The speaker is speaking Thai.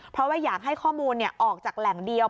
เพราะว่าอยากให้ข้อมูลออกจากแหล่งเดียว